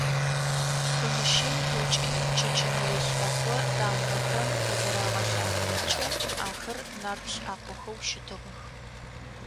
Хъымыщэй ыкӏи чэчэнэе лӏэкъо тамыгъэхэм къызэрагъэлъагъорэмкӏэ, ахэр нарт лӏакъохэу щытыгъэх.